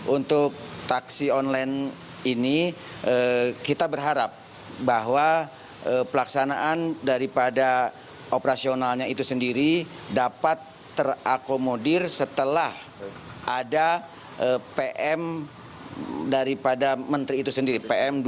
untuk taksi online ini kita berharap bahwa pelaksanaan daripada operasionalnya itu sendiri dapat terakomodir setelah ada pm daripada menteri itu sendiri pmd